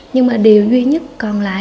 nhưng mà điều duy nhất còn lại